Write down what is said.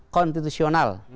serta menggunakan hak konteks